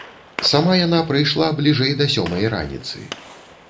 Сама яна прыйшла бліжэй да сёмай раніцы.